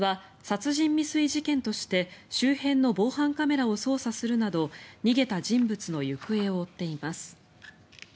警察は殺人未遂事件として周辺の防犯カメラを捜査するなど逃げた人物の行方を追っています。